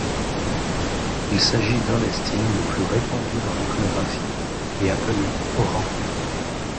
Il s'agit d'un des styles le plus répandu dans l'iconographie et appelé Orante.